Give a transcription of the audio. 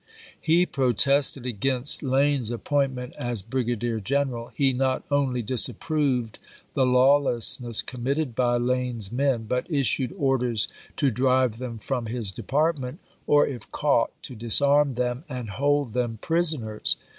He protested against Lane's appointment as brigadier general. He not only disavowed the lawlessness committed by Lane's men, but issued orders to drive them from his department ; or, if caught, to disarm them and hold them prisoners.